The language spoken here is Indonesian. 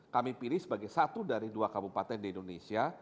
kami pilih sebagai satu dari dua kabupaten di indonesia